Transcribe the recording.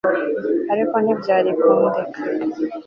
ariko ntibyari kundeka